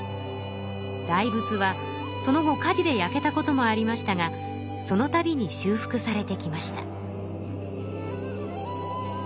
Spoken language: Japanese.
大仏はその後火事で焼けたこともありましたがそのたびに修復されてきました。